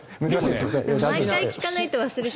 毎回聞かないと忘れちゃう。